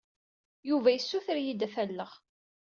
Yuba yessuter-iyi-d ad t-alleɣ.